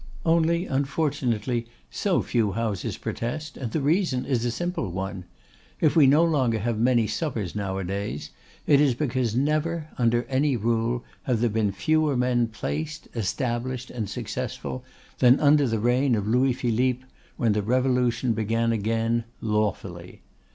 Only, unfortunately, so few houses protest; and the reason is a simple one. If we no longer have many suppers nowadays, it is because never, under any rule, have there been fewer men placed, established, and successful than under the reign of Louis Philippe, when the Revolution began again, lawfully.